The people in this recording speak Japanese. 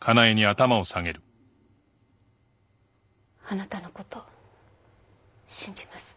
あなたの事信じます。